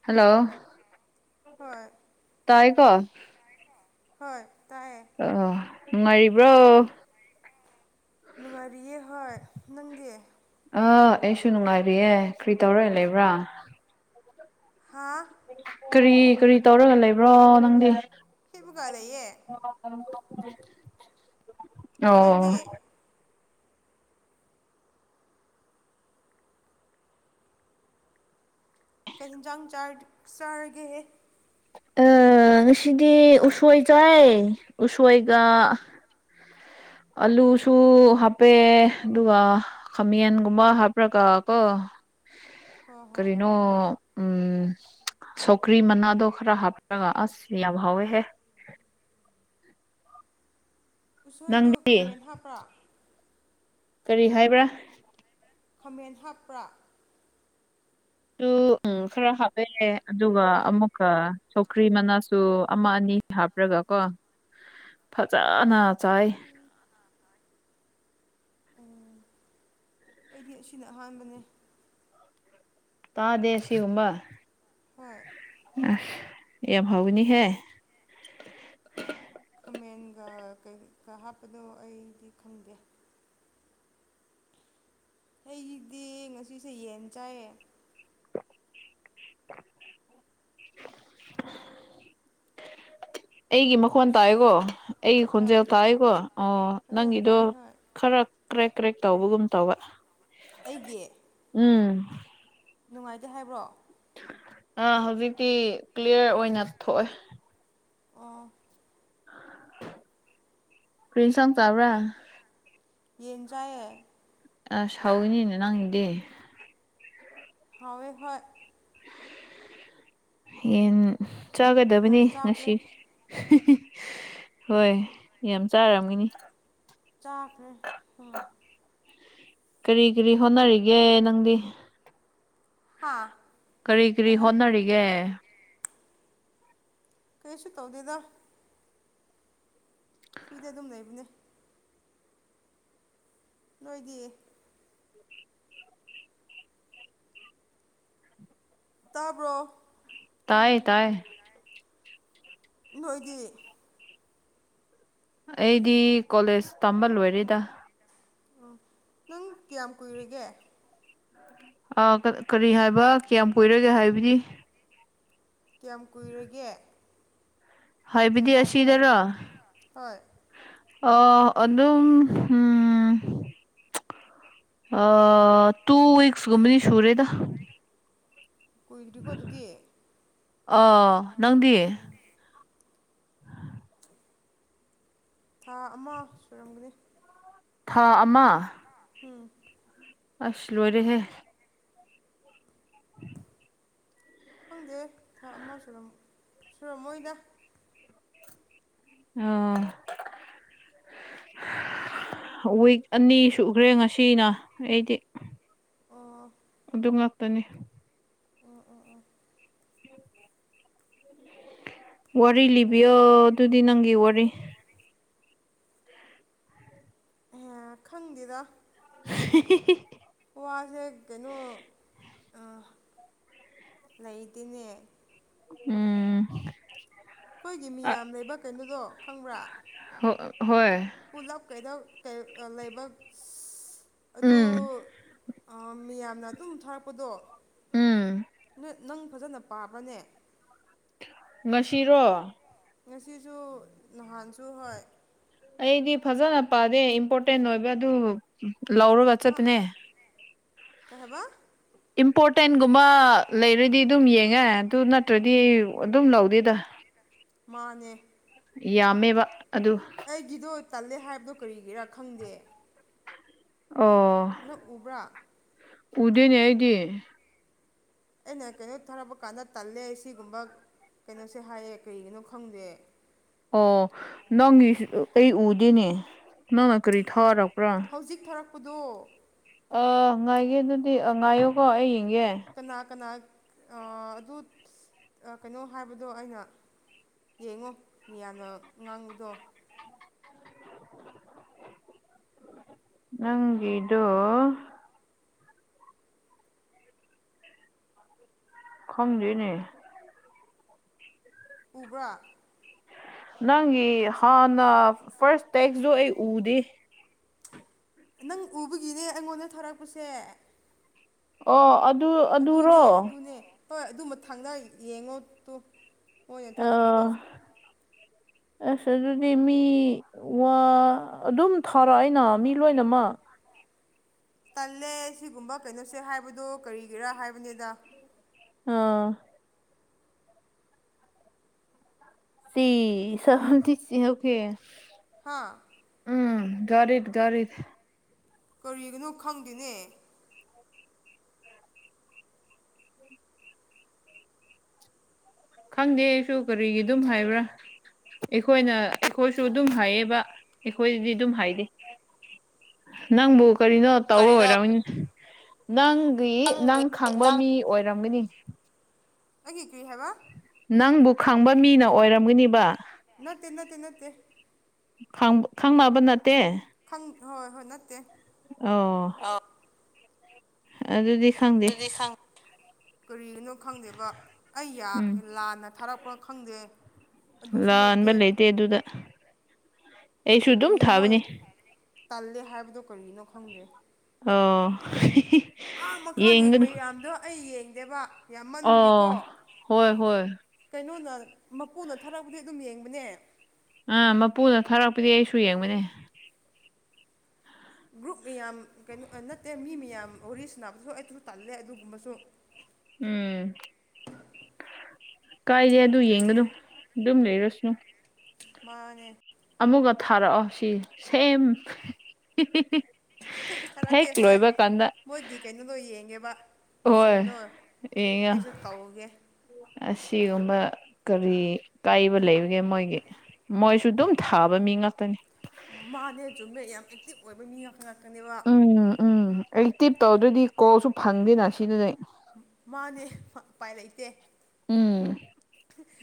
Hello ꯍꯣꯏ ꯇꯥꯏ ꯀꯣ ꯍꯣꯏ ꯇꯥꯏꯌꯦ꯫ ꯑ ꯅꯨꯡꯉꯥꯏꯔꯤꯕ꯭ꯔꯣ ꯅꯨꯡꯉꯥꯏꯔꯤꯌꯦ ꯍꯣꯏ ꯅꯪꯗꯤ ꯑꯥ ꯑꯩꯁꯨ ꯅꯨꯡꯉꯥꯏꯔꯤꯑꯦ ꯀꯔꯤ ꯇꯧꯔ ꯂꯩꯕ꯭ꯔꯥ꯫ ꯍꯥꯥ ꯀꯔꯤ ꯀꯔꯤ ꯇꯧꯔꯒ ꯂꯩꯕ꯭ꯔꯣ ꯅꯪꯗꯤ꯫ ꯍꯤꯞꯄꯒ ꯂꯩꯌꯦ ꯑꯣ ꯅꯪꯗꯤ ꯀꯩ ꯌꯦꯤꯟꯖꯥꯡ ꯆꯥꯔꯒꯦꯍꯦ ꯑ ꯉꯁꯤꯗꯤ ꯎꯁꯣꯏ ꯆꯥꯏ ꯎꯁꯣꯏꯒ ꯑꯂꯨꯁꯨ ꯍꯥꯞꯄꯦ ꯑꯗꯨꯒ ꯈꯥꯃꯟꯒꯨꯝꯕ ꯍꯥꯞꯄ꯭ꯔꯒ ꯀꯣ [inaudible] ꯀꯔꯤꯅꯣ ꯎꯝ ꯁꯣꯀ꯭ꯔꯤ ꯃꯅꯥꯗꯣ ꯈꯔ ꯍꯥꯞꯄꯔꯒ ꯑꯁ ꯌꯥꯝ ꯍꯥꯎꯋꯦꯍꯦ꯫ ꯎꯠꯁꯣꯏꯗꯣ ꯅꯪꯗꯤ ꯈꯥꯃꯦꯟ ꯍꯥꯞꯄ꯭ ꯀꯔꯤ ꯍꯥꯏꯕ꯭ꯔꯥ ꯈꯃꯦꯟ ꯍꯥꯞꯄ꯭ꯔꯥ [inaudible] ꯁꯨ ꯎꯝ ꯈꯔ ꯍꯥꯞꯄꯦ ꯑꯗꯨꯒ ꯑꯃꯨꯛꯀ ꯁꯧꯈ꯭ꯔꯤ ꯃꯅꯥꯁꯨ ꯑꯃ ꯑꯅꯤ ꯍꯥꯞꯄ꯭ꯔꯒ ꯀꯣ꯫ [inaudible] ꯐꯖꯅ ꯆꯥꯏ꯫ ꯎꯝ ꯑꯩꯗꯤ ꯑꯁꯤꯅ ꯑꯍꯥꯟꯕꯅꯦ꯫ ꯇꯥꯗꯦꯁꯤꯒꯨꯝꯕ ꯍꯣꯏ ꯑꯁ ꯌꯥꯝ ꯐꯥꯎꯒꯅꯤꯍꯦ꯫ ꯈꯥꯃꯦꯟꯒ ꯀꯩꯒ ꯍꯥꯞꯄꯗꯣ ꯑꯩꯗꯤ ꯈꯪꯗꯦ꯫ ꯑꯩꯒꯤꯗꯤ ꯉꯁꯤꯁꯦ ꯌꯦꯟ ꯆꯥꯏꯌꯦ꯫ [inaudible] ꯑꯩꯒꯤ ꯃꯈꯣꯟ ꯇꯥꯏꯀꯣ ꯑꯩꯒꯤ ꯍꯣꯏ ꯈꯣꯟꯖꯦꯜ ꯇꯥꯏꯑꯀꯣ ꯑꯣ ꯐꯖꯅ ꯅꯪꯒꯤꯗꯣ ꯇꯥꯏ ꯍꯣꯏ ꯈꯔ ꯀ꯭ꯔꯦꯛ ꯀ꯭ꯔꯦꯛ ꯇꯧꯕꯒꯨꯝ ꯇꯧꯕ ꯑꯩꯒꯤ ꯎꯝ ꯅꯨꯡꯉꯥꯏꯇꯦ ꯍꯥꯏꯕ꯭ꯔꯣ ꯑ ꯍꯧꯖꯤꯛꯇꯤ ꯀ꯭ꯂꯤꯌꯥꯔ ꯑꯣꯏꯅ ꯊꯣꯛꯑꯦ ꯑꯥ ꯄꯔꯤꯟꯁꯥꯡ ꯇꯕ꯭ꯔꯥ ꯌꯦꯟꯖꯥꯏꯌꯦ ꯑ ꯁꯥꯎꯒꯤꯅꯥꯅꯦ ꯅꯪꯗꯤ ꯍꯎꯋꯦ ꯍꯣꯏ ꯌꯦꯟ ꯆꯥꯒꯗꯕꯅꯤ ꯌꯥꯝ ꯆꯥꯈ꯭ꯔꯦ ꯉꯁꯤ ꯍꯣꯏ ꯌꯥꯝ ꯆꯥꯔꯝꯒꯅꯤ ꯆꯥꯈ꯭ꯔꯦ ꯎꯝ ꯀꯔꯤ ꯀꯔꯤ ꯍꯣꯠꯅꯔꯤꯒꯦ ꯅꯪꯗꯤ ꯍꯥꯥ ꯀꯔꯤ ꯀꯔꯤ ꯀꯩ ꯍꯥꯏ ꯍꯣꯠꯅꯔꯤꯒꯦ ꯀꯩꯁꯨ ꯇꯧꯗꯦꯗ ꯐꯨꯏꯗ ꯑꯗꯨꯝ ꯂꯩꯕꯅꯦ ꯅꯣꯏꯗꯤ ꯇꯥꯕ꯭ꯔꯣ ꯇꯥꯏ ꯇꯥꯏ ꯅꯣꯏꯗꯤ ꯑꯩꯗꯤ ꯀꯣꯂꯦꯖ ꯇꯝꯕ ꯂꯣꯏꯔꯦꯗ ꯑꯣ ꯅꯪ ꯀꯌꯥꯝ ꯀꯨꯏꯔꯒꯦ ꯑ ꯀꯔꯤ ꯍꯥꯏꯕ ꯀꯌꯥꯝ ꯀꯨꯏꯔꯒꯦ ꯍꯥꯏꯕꯗꯤ ꯀꯌꯥꯝ ꯀꯨꯏꯔꯒꯦ ꯒ꯭ꯌꯥꯟ ꯍꯥꯢꯕꯗꯤ ꯇꯥꯗꯦ ꯑꯁꯤꯗꯔꯣ ꯍꯣꯏ ꯑ ꯑꯗꯨꯝ ꯎꯝ ꯑ ꯇꯨꯋꯤꯛꯁꯒꯨꯃꯅꯤ ꯁꯨꯨꯔꯦꯗ ꯀꯨꯏꯗ꯭ꯔꯤꯀꯣ ꯑꯗꯨꯗꯤ ꯑ ꯅꯪꯗꯤ ꯊꯥ ꯑꯃ ꯁꯨꯔꯝꯒꯅꯤ ꯊꯥ ꯎꯝ ꯑꯃ ꯊꯥ ꯑꯃꯥ ꯎꯝ ꯑꯁ ꯂꯣꯏꯔꯦꯍꯦ ꯈꯪꯗꯦ ꯊꯥ ꯑꯃ ꯁꯨꯔꯝ ꯁꯨꯔꯝꯃꯣꯏꯗ ꯑꯣꯥ ꯋꯤꯛ ꯑꯅꯤ ꯁꯨꯈ꯭ꯔꯦ ꯉꯁꯤꯅ ꯑꯩꯗꯤ ꯑꯣ ꯑꯗꯨ ꯉꯥꯛꯇꯅꯤ ꯑꯣ ꯑꯣ ꯑꯣ ꯋꯥꯔꯤ ꯐꯩꯌꯦ ꯂꯤꯕꯤꯌꯣ ꯐꯩꯌꯦ ꯑꯗꯨꯗꯤ ꯅꯪꯒꯤ ꯋꯥꯔꯤ ꯑꯦ ꯈꯪꯗꯦꯗ [unintelligible] ꯋꯥꯁꯦ ꯀꯩꯅꯣ ꯑꯥ ꯂꯩꯇꯦꯅꯦ ꯎꯝ ꯑꯩꯈꯣꯏꯒꯤ ꯃꯤꯌꯥꯝ ꯂꯩꯕ ꯀꯩꯅꯣꯗꯣ ꯈꯪꯕ꯭ꯔꯥ ꯍ ꯍꯣꯏ ꯄꯨꯂꯞ ꯀꯩꯗ ꯀꯩ ꯑ ꯂꯩꯕ ꯑꯗꯨ ꯎꯝ ꯑ ꯃꯤꯌꯥꯝꯅ ꯑꯗꯨꯝ ꯊꯥꯔꯛꯄꯗꯣ ꯎꯝ ꯅꯣꯏ ꯅꯪ ꯐꯖꯅ ꯄꯥꯕꯅꯦ ꯉꯁꯤꯔꯣ ꯉꯁꯤꯁꯨ ꯅꯍꯥꯟꯁꯨ ꯍꯣꯏ ꯑꯩꯗꯤ ꯐꯖꯅ ꯄꯥꯗꯦ ꯏꯝꯄꯣꯔꯇꯦꯟ ꯑꯣꯏꯕ ꯑꯗꯨ ꯂꯧꯔꯒ ꯆꯠꯇꯄꯅꯦ ꯀꯧꯍꯕ ꯏꯝꯄꯣꯔꯇꯦꯟꯒꯨꯝꯕ ꯂꯩꯔꯗꯤ ꯑꯗꯨꯝ ꯌꯦꯡꯉꯦ ꯑꯗꯨ ꯅꯠꯇ꯭ꯔꯗꯤ ꯑꯩ ꯑꯗꯨꯝ ꯂꯧꯗꯦꯗ ꯃꯥꯅꯦ ꯌꯥꯝꯃꯦꯕ ꯑꯗꯨ ꯑꯩꯒꯤꯗꯣ ꯇꯜꯂꯦ ꯍꯥꯏꯕꯗꯣ ꯀꯔꯤꯒꯤꯔꯥ ꯈꯪꯗꯦ ꯑꯣ ꯅꯛ ꯎꯕ꯭ꯔꯥ ꯎꯗꯦꯅꯦ ꯑꯩꯗꯤ [unintelligible] ꯑꯩꯅ ꯀꯩꯅꯣ ꯊꯥꯔꯛꯄ ꯀꯥꯟꯗ ꯇꯜꯂꯦ ꯁꯤꯒꯨꯝꯕ ꯀꯩꯅꯣꯁꯦ ꯍꯥꯏꯌꯦ ꯀꯩꯒꯤꯅꯣ ꯈꯪꯗꯦ ꯑꯣ ꯅꯪꯒꯤ ꯑꯩ ꯎꯗꯦꯅꯦ ꯅꯪꯅ ꯀꯔꯤ ꯊꯥꯔꯛꯄ꯭ꯔꯥ ꯍꯧꯖꯤꯛ ꯊꯥꯔꯛꯄꯗꯣ ꯑ ꯉꯥꯏꯒꯦ ꯑꯗꯨꯗꯤ ꯑ ꯉꯥꯏꯌꯣꯀꯣ ꯑꯩ ꯌꯦꯡꯒꯦ ꯀꯅꯥ ꯀꯅꯥ ꯑ ꯑꯗꯨꯠ ꯑ ꯀꯩꯅꯣ ꯍꯥꯏꯕꯗꯣ ꯑꯩꯅ ꯌꯦꯡꯉꯣ ꯃꯤꯌꯥꯝꯅ ꯉꯥꯡꯕꯗꯣ ꯅꯪꯒꯤꯗꯣ ꯈꯪꯗꯦꯅꯦ ꯎꯕ꯭ꯔꯥ ꯅꯪꯒꯤ ꯍꯥꯟꯅ ꯐꯥꯔ꯭ꯁ ꯇꯦꯛꯁꯗꯣ ꯑꯩ ꯎꯗꯦ ꯅꯪ ꯎꯕꯒꯤꯅꯦ ꯑꯩꯉꯣꯟꯗ ꯊꯥꯔꯛꯄꯁꯦ ꯑꯣ ꯑꯗꯨ ꯑꯗꯨꯔꯣ ꯑꯗꯨꯅꯦ ꯑꯗꯨꯅꯦ ꯍꯣꯏ ꯑꯗꯨꯝ ꯃꯊꯪꯅ ꯌꯦꯡꯉꯣ ꯇꯨ ꯃꯣꯏꯅ ꯑ ꯊꯥꯔꯛꯄꯗꯣ [inaudible] ꯑꯁ ꯑꯗꯨꯗꯤ ꯃꯤ ꯋꯥ ꯑꯗꯨꯝ ꯊꯥꯔꯛꯏꯅ ꯃꯤ ꯂꯣꯏꯅꯃꯛ ꯇꯜꯂꯦ ꯁꯤꯒꯨꯝꯕ ꯀꯩꯅꯣꯁꯦ ꯍꯥꯏꯕꯗꯣ ꯀꯔꯤꯒꯤꯔꯥ ꯍꯥꯏꯕꯅꯤꯗ ꯑ ꯇꯤꯁ ꯇꯤꯁꯤ ꯑꯣꯈꯦ ꯍꯥꯥ ꯎꯝ ꯒꯥꯔꯤꯠ ꯒꯥꯔꯤꯠ ꯀꯔꯤꯒꯤꯅꯣ ꯈꯪꯗꯦꯅꯦ [inaudible] ꯈꯪꯗꯦ ꯑꯩꯁꯨ ꯀꯔꯤꯒꯤ ꯑꯗꯨꯝ ꯍꯥꯏꯕ꯭ꯔꯥ ꯑꯩꯈꯣꯏꯅ ꯑꯩꯈꯣꯏꯁꯨ ꯑꯗꯨꯝ ꯍꯥꯏꯌꯦꯕ ꯑꯩꯈꯣꯏꯗꯗꯤ ꯑꯗꯨꯝ ꯍꯥꯏꯗꯦ ꯅꯪꯕꯨ ꯀꯔꯤꯅꯣꯠ ꯇꯧꯕ ꯀꯔꯤꯅꯣ ꯑꯣꯏꯔꯝꯃꯅꯤ ꯅꯪꯒꯤ ꯅꯪꯒꯤ ꯅꯪ ꯈꯪꯕ ꯅꯪ ꯃꯤ ꯑꯣꯏꯔꯝꯒꯅꯤ ꯑꯩꯒꯤ ꯀ꯭ꯔꯤ ꯍꯥꯏꯕ ꯅꯪꯕꯨ ꯈꯪꯕ ꯃꯤꯅ ꯑꯣꯏꯔꯝꯒꯅꯤꯕ ꯅꯠꯇꯦ ꯅꯠꯇꯦ ꯅꯠꯇꯦ ꯈꯪ ꯈꯪꯅꯕ ꯅꯠꯇꯦ ꯈꯪ ꯍꯣꯏ ꯍꯣꯏ ꯅꯠꯇꯦ ꯑꯣ ꯑꯣ ꯑꯗꯨꯗꯤ ꯈꯪꯗꯦ ꯇꯨꯗꯤ ꯁꯪ ꯀꯔꯤꯒꯤꯅꯣ ꯈꯪꯗꯦꯕ ꯑꯩ ꯌꯥ ꯎꯝ ꯂꯥꯟꯅ ꯊꯥꯔꯛ ꯄ ꯈꯪꯗꯦ ꯑꯗꯨꯁꯨ ꯂꯥꯟꯕ ꯅꯠꯇꯦ ꯂꯩꯇꯦ ꯑꯗꯨꯗ ꯑꯩꯁꯨ ꯑꯗꯨꯝ ꯀꯔꯤꯅꯣ ꯃꯣꯏꯅ ꯊꯥꯕꯅꯤ ꯇꯜꯂꯦ ꯍꯥꯏꯕꯗꯣ ꯀꯔꯤꯅꯣ ꯈꯪꯗꯦ ꯑꯣ ꯑꯥ ꯃꯈꯥꯒꯤ ꯌꯦꯡꯒꯅꯨ ꯃꯌꯥꯝꯗꯣ ꯑꯩ ꯌꯦꯡꯗꯦꯕ ꯌꯥꯝꯃꯟꯕꯒꯤꯀꯣ ꯑꯣ ꯍꯣꯏ ꯍꯣꯏ ꯀꯩꯅꯣꯅ ꯃꯄꯨꯅ ꯊꯥꯔꯛꯄꯗꯤ ꯑꯗꯨꯝ ꯌꯦꯡꯕꯅꯦ ꯑꯥ ꯃꯄꯨꯅ ꯊꯥꯔꯛꯄꯗꯤ ꯑꯩꯁꯨ ꯌꯦꯡꯕꯅꯦ ꯒ꯭ꯔꯨꯞ ꯃꯌꯥꯝ ꯀꯩꯅꯣ ꯑ ꯅꯠꯇꯦ ꯃꯤ ꯃꯤꯌꯥꯝ ꯋꯥꯔꯤ ꯁꯟꯅꯕꯁꯨ ꯑꯩ ꯑꯗꯨ ꯇꯥꯜꯂꯦ ꯑꯗꯨꯒꯨꯝꯕꯁꯨ ꯎꯝ ꯀꯥꯏꯗꯦ ꯑꯗꯨ ꯌꯦꯡꯒꯅꯨ ꯑꯗꯨꯝ ꯂꯩꯔꯁꯅꯨ ꯃꯥꯅꯦ ꯑꯃꯨꯛꯒ ꯊꯥꯔꯛꯑꯣ ꯁꯤ ꯁꯦꯝ ꯊꯥꯔꯛꯀꯦ ꯍꯦꯛ ꯍꯣꯏ ꯂꯣꯏꯕ ꯀꯥꯟꯗ ꯃꯣꯏꯒꯤ ꯀꯩꯅꯣꯗꯣ ꯌꯦꯡꯉ‌ꯦꯕ ꯍꯣꯏ ꯃꯆꯤꯡꯗꯣ ꯌꯦꯡꯉꯣ ꯑꯩꯁꯨ ꯇꯧꯒꯦ ꯑꯁꯤꯒꯨꯝꯕ ꯀꯔꯤ ꯀꯥꯏꯕ ꯂꯩꯕꯒꯦ ꯃꯣꯏꯒꯤ ꯃꯣꯏ ꯁꯨ ꯑꯗꯨꯝ ꯊꯥꯕ ꯃꯤ ꯉꯥꯛꯇꯅꯤ ꯃꯥꯅꯦ ꯆꯨꯝꯃꯦ ꯌꯥꯝ ꯑꯦꯛꯇꯤꯚ ꯑꯣꯏꯕ ꯃꯤ ꯉꯥꯛ ꯉꯥꯛꯇꯅꯦꯕ ꯎꯝ ꯎꯝ ꯑꯦꯛꯇꯤꯞ ꯇꯧꯗ꯭ꯔꯗꯤ ꯀꯣꯜꯁꯨ ꯐꯪꯗꯦꯅ ꯁꯤꯗꯗꯤ ꯃ ꯃꯥꯅꯦ ꯐ ꯎꯄꯥꯏ ꯂꯩꯇꯦ ꯎꯝ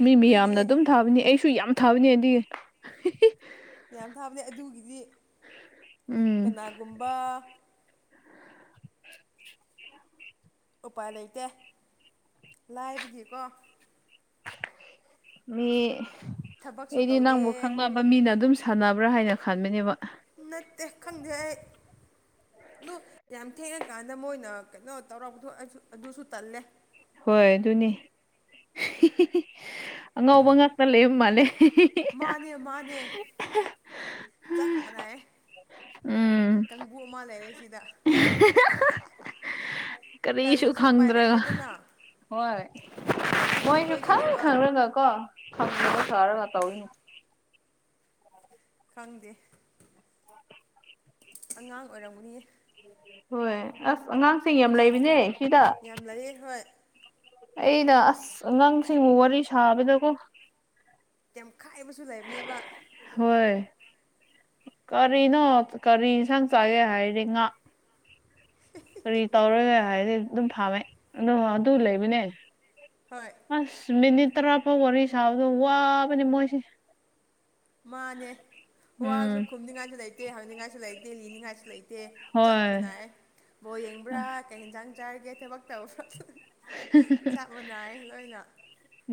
ꯃꯤ ꯑꯩꯈꯣꯏꯗꯤ ꯃꯌꯥꯝꯅ ꯑꯗꯨꯝ ꯊꯥꯕꯅꯤ ꯑꯩꯁꯨ ꯌꯥꯝ ꯊꯥꯕꯅꯦ ꯑꯗꯨ ꯃꯌꯥꯝ ꯊꯥꯕꯅꯦ ꯑꯗꯨꯒꯤꯗꯤ ꯎꯝ ꯀꯅꯥꯒꯨꯝꯕ [inaudible] ꯎꯄꯥꯏ ꯂꯩꯇꯦ ꯂꯥꯏꯕꯒꯤꯀꯣ ꯃꯤ ꯊꯕꯛꯁꯨ ꯑꯩꯗꯤ ꯇꯧꯗꯦ ꯅꯪꯕꯨ ꯈꯪꯅꯕ ꯃꯤꯅ ꯑꯗꯨꯝ ꯁꯥꯟꯅꯕ꯭ꯔꯥ ꯍꯥꯏꯅ ꯈꯟꯕꯅꯦꯕ ꯅꯠꯇꯦ ꯈꯪꯗꯦ ꯑꯩ ꯑꯗꯨ ꯌꯥꯝ ꯊꯦꯡꯉꯀꯥꯟꯗ ꯃꯣꯏꯅ ꯀꯩꯅꯣ ꯇꯧꯔꯛꯄꯗꯨ ꯑꯩꯁꯨ ꯑꯗꯨꯁꯨ ꯇꯜꯂꯦ ꯍꯣꯏ ꯑꯗꯨꯅꯦ ꯍꯤ ꯍꯤ ꯍꯤ ꯑꯉꯥꯎꯕ ꯉꯥꯛꯇ ꯂꯩꯕ ꯃꯥꯜꯂꯦ ꯃꯥꯅꯦ ꯃꯥꯅꯦ ꯆꯞ ꯃꯥꯟꯅꯩꯌꯦ ꯎꯝ ꯀꯥꯡꯕꯨ ꯑꯃ ꯂꯩꯔꯦ ꯁꯤꯗ ꯀꯔꯤꯁꯨ ꯇꯜꯂꯁꯨ ꯎꯄꯥꯏ ꯈꯪꯗ꯭ꯔꯒ ꯂꯩꯇꯦꯗꯅ ꯍꯣꯏ ꯃꯣꯏꯁꯨ ꯈꯪ ꯑꯩꯈꯣꯏꯒꯤꯅꯦꯕ ꯈꯪꯔꯒ ꯀꯣ ꯈꯪꯗꯕ ꯍꯣꯏ ꯁꯥꯔꯒ ꯇꯧꯔꯤꯅꯤ ꯈꯪꯗꯦ ꯑꯉꯥꯡ ꯑꯣꯏꯔꯝꯒꯅꯤ ꯍꯣꯏ ꯑꯁ ꯑꯉꯥꯡꯁꯤꯡ ꯌꯥꯝ ꯂꯩꯕꯅꯦ ꯁꯤꯗ ꯌꯥꯝ ꯂꯩꯥꯌꯦ ꯍꯣꯏ ꯑꯩꯅ ꯑꯁ ꯑꯉꯥꯡꯁꯤꯡꯕꯨ ꯋꯥꯔꯤ ꯁꯥꯕꯗꯀꯣ ꯌꯥꯝ ꯈꯥꯏꯕꯁꯨ ꯂꯩꯕꯅꯦꯕ ꯍꯣꯏ ꯀꯔꯤꯅꯣ ꯀꯔꯤ ꯏꯟꯁꯥꯡ ꯆꯥꯒꯦ ꯍꯥꯏꯔꯦ ꯉꯥ ꯀꯔꯤ ꯇꯧꯔꯒꯦ ꯍꯥꯏꯔꯗꯤ ꯑꯗꯨꯝ ꯐꯥꯝꯃꯦ ꯑꯗꯨ ꯑꯗꯨ ꯂꯩꯕꯅꯦ ꯍꯣꯏ ꯑꯁ ꯃꯤꯅꯤꯠ ꯇꯔꯥ ꯐꯥꯎ ꯋꯥꯔꯤ ꯁꯥꯕꯗꯣ ꯋꯥꯕꯅꯦ ꯃꯣꯏꯁꯦ ꯃꯥꯅꯦ ꯋꯥꯁꯨ ꯎꯝ ꯈꯨꯝꯅꯤꯡꯉꯥꯏꯁꯨ ꯂꯩꯇꯦ ꯍꯪꯅꯤꯡꯉꯥꯏꯁꯨ ꯂꯩꯇꯦ ꯂꯤꯅꯤꯡꯉꯥꯏꯁꯨ ꯂꯩ ꯇꯦ ꯆꯞ ꯍꯣꯏ ꯃꯥꯟꯅꯥꯏꯌꯦ ꯕꯣꯜ ꯌꯦꯡꯕ꯭ꯔꯥ ꯀꯩ ꯍꯦꯟꯖꯥꯡ ꯆꯥꯔꯒꯦ ꯊꯕꯛ ꯇꯧꯕ꯭ꯔ ꯆꯥꯞ ꯃꯅꯥꯏ ꯂꯣꯏꯅ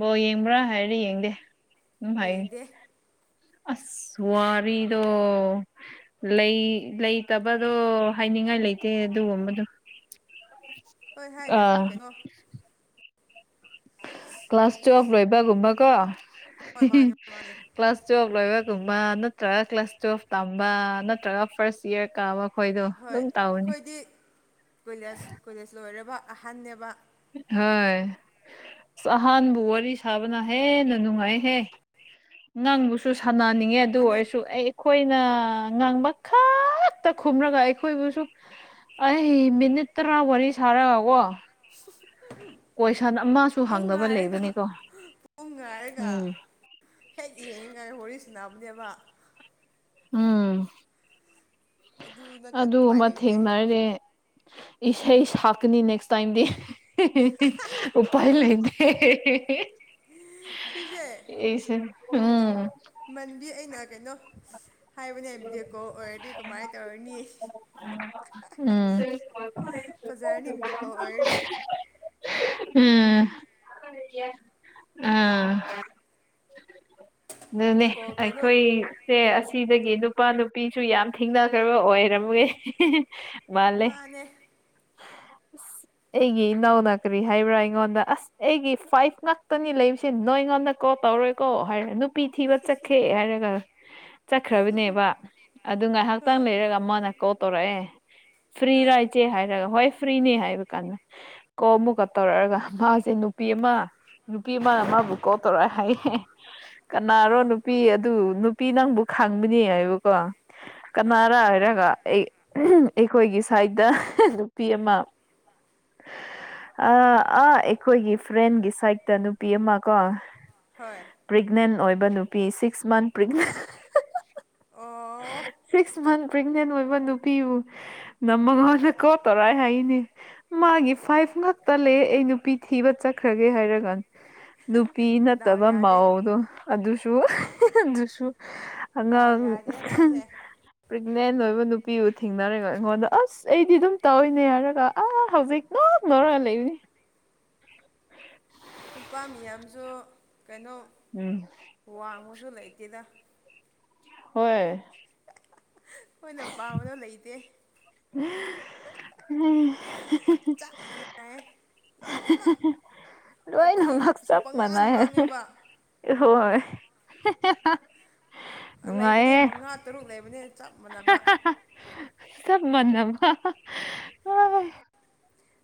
ꯕꯣꯜ ꯌꯦꯡꯕ꯭ꯔꯥ ꯍꯥꯏꯔꯗꯤ ꯌꯦꯡꯗꯦ ꯑꯗꯨꯝ ꯍꯥꯏꯌꯦ ꯌꯦꯡꯗꯦ ꯑꯁ ꯋꯥꯔꯤꯗꯣ ꯂꯩ ꯂꯩꯇꯕꯔꯣ ꯍꯥꯏꯅꯤꯡꯉꯥꯏ ꯂꯩꯇꯦ ꯑꯗꯨꯒꯨꯝꯕꯗꯣ [unintelligible] ꯍꯣꯏ ꯍꯥꯏꯗ꯭ꯔꯁꯨ ꯑꯥ ꯀꯩꯅꯣ ꯀ꯭ꯂꯥꯁ ꯇꯨꯋꯦꯜꯚ ꯂꯣꯏꯕꯒꯨꯝꯕꯀꯣ ꯍꯣꯏ ꯃꯥꯅꯦ ꯃꯥꯅꯦ ꯀ꯭ꯂꯥꯁ ꯇꯨꯋꯦꯜꯚ ꯂꯣꯏꯕꯒꯨꯝꯕ ꯅꯠꯇ꯭ꯔꯒ ꯀ꯭ꯂꯥꯁ ꯇꯨꯋꯦꯜꯚ ꯇꯝꯕ ꯅꯠꯇ꯭ꯔꯒ ꯐꯥꯔꯁ ꯏꯌꯥꯔ ꯀꯥꯕ ꯍꯣꯏꯗꯣ ꯍꯣꯏ ꯑꯗꯨꯝ ꯇꯥꯎꯕꯅꯤ ꯑꯩꯈꯣꯏꯗꯤ ꯀꯣꯏꯂꯦꯖ ꯀꯣꯏꯂꯦꯖ ꯂꯣꯏꯔꯕ ꯑꯍꯟꯅꯦꯕ ꯍꯣꯏ ꯑꯁ ꯑꯍꯟꯕꯨ ꯋꯥꯔꯤ ꯁꯥꯕꯅ ꯍꯦꯟꯅ ꯅꯨꯡꯉꯥꯏꯍꯦ ꯉꯥꯡꯕꯨꯁꯨ ꯁꯥꯟꯅꯅꯤꯡꯉꯦ ꯑꯗꯨ ꯃꯥꯅꯦ ꯑꯣꯏꯔꯁꯨ ꯑꯩ ꯑꯩꯈꯣꯏꯅ ꯉꯥꯡꯕ ꯈꯛꯇ ꯈꯨꯝꯔꯒ ꯑꯩꯈꯣꯏꯕꯨꯁꯨ ꯑꯩ ꯃꯤꯅꯤꯠ ꯇꯔꯥ ꯋꯥꯔꯤ ꯁꯥꯔꯒꯀꯣ ꯀꯣꯏꯁꯟ ꯑꯃ ꯄꯨꯡ ꯉꯥꯏꯔꯒ ꯄꯨꯡ ꯉꯥꯏꯔꯒ ꯎꯝ ꯍꯦꯛ ꯌꯦꯡꯉꯤꯒꯟꯗ ꯋꯥꯔꯤ ꯁꯥꯟꯅꯕꯅꯦꯕ꯫ ꯎꯝ ꯑꯗꯨ ꯅꯠꯇ꯭ꯔꯗꯤ ꯑꯗꯨ ꯎꯄꯥꯏ ꯑꯃ ꯂꯩꯇꯦ ꯊꯦꯡꯅꯔꯦ꯫ ꯏꯁꯩ ꯁꯛꯀꯅꯤ ꯅꯦꯛꯁ ꯇꯥꯏꯝꯗꯤ꯫ ꯍꯦ ꯍꯦ ꯍꯦ ꯎꯄꯥꯏ ꯂꯩꯇꯦ ꯍꯦ ꯍꯦ ꯍꯦ꯫ ꯁꯤꯁꯦ ꯕꯤꯗꯤꯑꯣ ꯎꯝ ꯃꯟꯗꯤ ꯑꯩꯅ ꯀꯩꯅꯣ ꯍꯥꯏꯕꯅꯦ ꯕꯤꯗꯤꯑꯣꯀꯣꯜ ꯑꯣꯏꯔꯗꯤ ꯀꯃꯥꯏ ꯇꯧꯔꯅꯤ꯫ ꯎꯝ ꯐꯖꯔꯅꯤ ꯕꯤꯗꯤꯑꯣ ꯀꯣꯜ ꯑꯣꯏꯔꯗꯤ꯫ ꯎꯝ꯫ [unintelligible] ꯑꯥ꯫ ꯑꯗꯨꯅꯦ ꯚꯤꯗꯤꯑꯣ ꯀꯣꯜ ꯀꯩꯅꯣ ꯑꯩꯈꯣꯏ ꯁꯦ ꯑꯁꯤꯗꯒꯤ ꯅꯨꯄꯥ ꯅꯨꯄꯤꯁꯨ ꯌꯥꯝ ꯊꯦꯡꯅꯈ꯭ꯔꯕ ꯑꯣꯏꯔꯝꯃꯦ꯫ ꯃꯥꯜꯂꯦ꯫ ꯃꯥꯅꯦ [inaudible] ꯑꯁ ꯑꯩꯒꯤ ꯏꯅꯥꯎꯅ ꯀꯔꯤ ꯍꯥꯏꯕ꯭ꯔꯥ ꯑꯩꯉꯣꯟꯗ ꯑꯁ ꯑꯩꯒꯤ ꯐꯥꯏꯚ ꯉꯥꯛꯇꯅꯤ ꯂꯩꯁꯦ ꯅꯣꯏꯉꯣꯟꯗ ꯀꯣꯜ ꯇꯧꯔꯣꯏꯀꯣ ꯍꯥꯏꯔꯦ ꯊꯤꯕ ꯆꯠꯈꯦ ꯍꯥꯏꯔꯒ ꯆꯠꯈ꯭ꯔꯕꯅꯦꯕ ꯑꯗꯨ ꯉꯥꯏꯍꯥꯛꯇꯪ ꯍꯣꯏ ꯂꯩꯔꯒ ꯑꯃꯅ ꯀꯣꯜ ꯇꯧꯔꯛꯑꯦ ꯐ꯭ꯔꯤꯔ ꯍꯣꯏ ꯏꯆꯦ ꯍꯥꯏꯔꯒ ꯍꯣꯏ ꯐ꯭ꯔꯤꯅꯦ ꯍꯥꯏꯕ ꯀꯥꯟꯗ ꯀꯣꯜ ꯑꯃꯨꯛꯀ ꯇꯧꯔꯛꯑꯒ ꯃꯥꯁꯦ ꯅꯨꯄꯤ ꯑꯃ ꯅꯨꯄꯤ ꯑꯃ ꯃꯕꯨ ꯀꯣꯜ ꯇꯧꯔꯛꯑꯦ ꯍꯥꯏꯌꯦ꯫ ꯀꯅꯥꯔꯣ ꯑꯣ ꯅꯨꯄꯤ ꯑꯗꯨ ꯅꯨꯄꯤ ꯅꯪꯕꯨ ꯈꯪꯕꯅꯦ ꯍꯥꯏꯕꯀꯣ꯫ ꯍꯣꯏ ꯀꯅꯥꯔ ꯍꯥꯏꯔꯒ ꯑꯩꯈꯣꯏꯒꯤ ꯁꯥꯏꯠꯇ ꯅꯨꯄꯤ ꯑꯃ꯫ ꯑ ꯑ ꯑꯥ ꯑꯩꯈꯣꯏꯒꯤ ꯐ꯭ꯔꯦꯟꯒꯤ ꯁꯥꯏꯠꯇ ꯅꯨꯄꯤ ꯑꯃ ꯀꯣ꯫ ꯍꯣꯏ꯫ ꯄꯦꯒꯅꯦꯟ ꯑꯣꯏꯕ ꯅꯨꯄꯤ ꯁꯤꯛꯁ ꯃꯟ ꯄ꯭ꯔꯦꯒꯅꯦꯟ ꯑꯣ ꯁꯤꯛꯁ ꯃꯟ ꯄ꯭ꯔꯦꯒꯅꯦꯟ ꯑꯣꯏꯕ ꯅꯨꯄꯤꯕꯨ ꯅꯝꯒ ꯀꯣꯜ ꯇꯧꯔꯛꯑꯦ ꯍꯥꯏꯌꯦꯅꯦ꯫ ꯃꯥꯒꯤ ꯐꯥꯏꯚ ꯉꯛꯇ ꯂꯩ ꯑꯩ ꯅꯨꯄꯤ ꯊꯤꯕ ꯆꯠꯈ꯭ꯔꯒꯦ ꯍꯥꯏꯔꯒ꯫ ꯅꯨꯄꯤ ꯗꯥꯎ ꯅꯠꯇꯕ ꯌꯥꯗꯦ ꯃꯧꯗꯣ ꯑꯗꯨꯁꯨ ꯑꯗꯨꯁꯨ꯫ ꯗꯥꯎ ꯑꯉꯥꯡ ꯌꯥꯗꯦ ꯃꯥꯁꯦ ꯄ꯭ꯔꯦꯒꯅꯦꯟ ꯑꯣꯏꯕ ꯅꯨꯄꯤꯕꯨ ꯊꯦꯡꯅꯔꯦꯀꯣ ꯑꯩꯉꯣꯟꯗ ꯑꯁ ꯑꯩꯗꯤ ꯑꯗꯨꯝ ꯇꯧꯏꯅꯦ ꯍꯥꯏꯔꯒ ꯑꯥ ꯍꯧꯖꯤꯛ ꯑꯗꯨꯝ ꯉꯥꯎꯔꯒ ꯂꯩꯕꯅꯤ꯫ ꯅꯨꯄꯥ ꯃꯤꯌꯥꯝꯁꯨ ꯀꯩꯅꯣ ꯎꯝ꯫ ꯋꯥꯡꯕꯁꯨ ꯂꯩꯇꯦꯗ꯫ ꯍꯣꯏ꯫ ꯑꯩꯈꯣꯏꯅ ꯄꯥꯕꯗꯣ ꯂꯩꯇꯦ꯫ [unintelligible] ꯆꯞ ꯂꯣꯏꯅꯃꯛ ꯂꯣꯏꯅꯃꯛ ꯋꯥꯊꯤꯁꯨ ꯆꯞ ꯄꯪꯒꯥꯡ ꯃꯥꯟꯅꯩ ꯉꯥꯡꯉꯦꯕ꯫ ꯍꯣꯏ [unintelligible] ꯂꯩꯕꯅꯦ ꯃꯉꯥ ꯇꯔꯨꯛ ꯂꯩꯕꯅꯦ꯫ ꯆꯞ ꯃꯥꯟꯅꯕ [unintelligible] ꯆꯥꯞ ꯃꯅꯥꯝ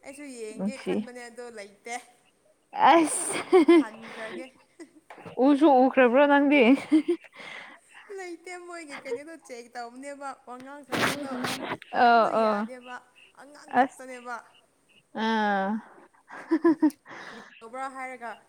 ꯑꯩꯁꯨ ꯌꯦꯡꯒꯦ ꯅꯨꯡꯁꯤ ꯈꯟꯕꯅꯦ ꯑꯗꯣ ꯂꯩꯇꯦ꯫ ꯑꯁ ꯍꯟꯈ꯭ꯔꯒꯦ ꯎꯁꯨ ꯎꯈ꯭ꯔꯕ꯭ꯔꯣ ꯅꯪꯗꯤ꯫ ꯂꯩꯇꯦ ꯃꯣꯏꯒꯤ ꯀꯩꯅꯣꯗꯣ ꯆꯦꯛ ꯇꯧꯕꯅꯦꯕ꯫ ꯋꯥꯉꯥꯡ ꯁꯉꯥꯡꯗꯣ ꯑ ꯑꯗꯨ ꯑ ꯌꯥꯗꯦꯕ ꯑꯉꯥꯡ ꯈꯛꯇꯅꯦꯕ꯫ ꯑ [unintelligible] ꯀꯔꯤ ꯇꯧꯕ꯭ꯔꯥ ꯍꯥꯏꯔꯒ